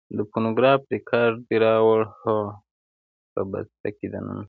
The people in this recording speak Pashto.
د فونوګراف رېکارډ دې راوړ؟ هو، په بسته کې دننه.